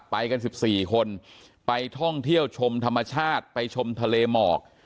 ไปกัน๑๔คนไปท่องเที่ยวชมธรรมชาติไปชมทะเลหมอก